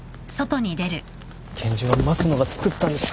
拳銃は益野が作ったんじゃ。